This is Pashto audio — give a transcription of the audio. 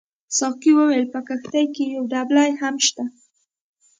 ساقي وویل په کښتۍ کې یو دبلۍ هم شته.